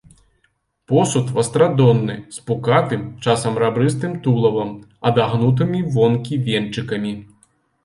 Посуд вастрадонны з пукатым, часам рабрыстым тулавам, адагнутымі вонкі венчыкамі.